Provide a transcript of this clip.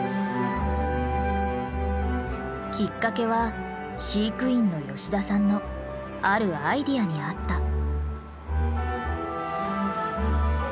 きっかけは飼育員の吉田さんのあるアイデアにあった。